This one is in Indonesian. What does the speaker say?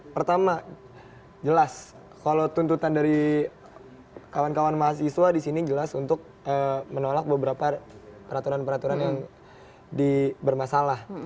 pertama jelas kalau tuntutan dari kawan kawan mahasiswa disini jelas untuk menolak beberapa peraturan peraturan yang bermasalah